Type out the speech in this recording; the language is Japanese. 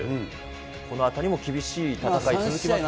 このあたりも厳しい戦い続きますね。